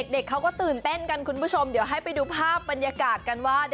เด็กเขาก็ตื่นเต้นกันคุณผู้ชมเดี๋ยวให้ไปดูภาพบรรยากาศกันว่า